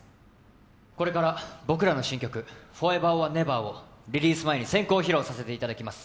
これから僕らの新曲「ＦｏｒｅｖｅｒｏｒＮｅｖｅｒ」をリリース前に先行披露させていただきます